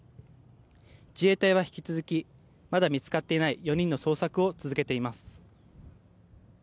自衛隊は引き続きまだ見つかっていない４人の捜索を続けています。